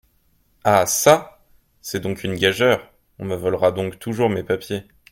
Ah çà ! c’est donc une gageure ? on me volera donc toujours mes papiers !